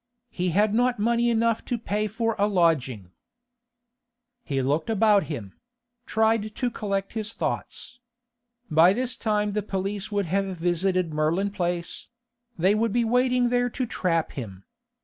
He had not money enough to pay for a lodging. He looked about him; tried to collect his thoughts. By this time the police would have visited Merlin Place; they would be waiting there to trap him.